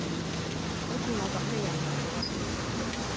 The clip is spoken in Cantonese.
好似我噉嘅人